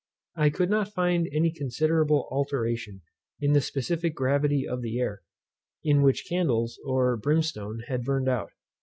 I could not find any considerable alteration in the specific gravity of the air, in which candles, or brimstone, had burned out.